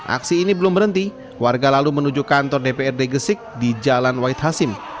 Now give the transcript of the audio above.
aksi ini belum berhenti warga lalu menuju kantor dprd gresik di jalan wahid hasim